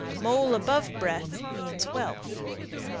Mole above breath Means wealth.